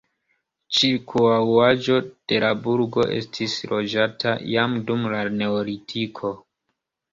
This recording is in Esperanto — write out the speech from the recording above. Ĉirkaŭaĵo de la burgo estis loĝata jam dum la neolitiko.